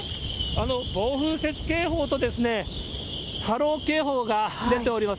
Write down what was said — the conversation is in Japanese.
暴風雪警報と波浪警報が出ております。